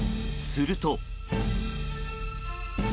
すると。